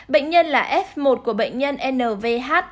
bệnh nhân là f một của bệnh nhân nvh